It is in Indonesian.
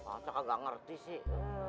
atau kagak ngerti sih